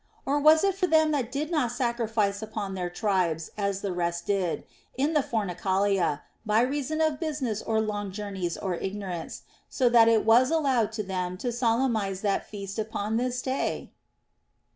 Or was it for them that did not sacrifice with their tribes, as the rest did, in the Fornicalia, by reason of business or long journeys or ignorance, so that it was allowed to them to solemnize that feast upon this day?